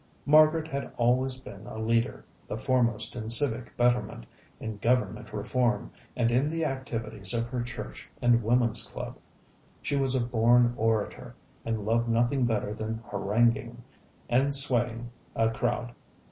Margaret had always been a leader, the foremost in civic betterment, in government reform, and in the activities of her church and woman's club. She was a born orator, and loved nothing better than haranguing and swaying a crowd.